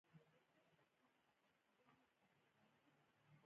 دا د دواړو خواوو لپاره توازن رامنځته کوي